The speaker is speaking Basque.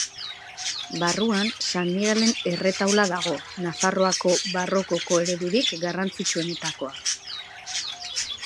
Barruan, San Migelen erretaula dago, Nafarroako barrokoko eredurik garrantzitsuenetakoa.